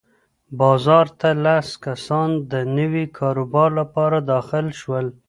بازار ته لس کسان د نوي کاروبار لپاره داخل شول.